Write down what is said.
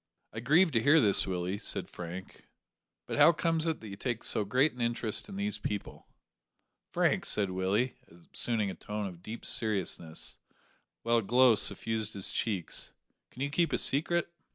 "I grieve to hear this, Willie," said Frank, "but how comes it that you take so great an interest in these people?" "Frank," said Willie, assuming a tone of deep seriousness, while a glow suffused his cheeks, "can you keep a secret?"